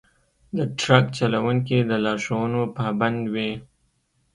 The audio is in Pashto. د ټرک چلونکي د لارښوونو پابند وي.